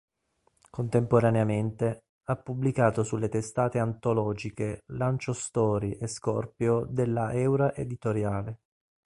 Contemporaneamente, ha pubblicato sulle testate antologiche "Lanciostory" e "Skorpio" della Eura Editoriale.